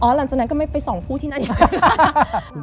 อ๋อหลังจากนั้นก็ไม่ไปสองผู้ที่นั่นอย่างไร